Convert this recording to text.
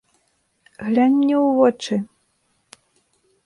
Глянь мне ў вочы.